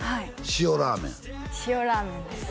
塩ラーメンです